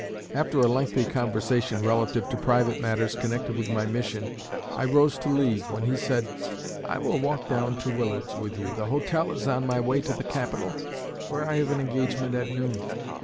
"After a lengthy conversation relative to private matters connected with my mission, I rose to leave, when he said, 'I will walk down to Willard's with you; the hotel is on my way to the Capitol, where I have an engagement at noon.'